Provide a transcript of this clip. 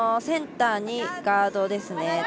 センターにガードですね。